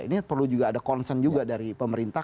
ini perlu juga ada concern juga dari pemerintah